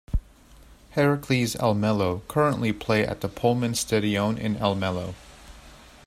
Heracles Almelo currently play at the Polman Stadion in Almelo.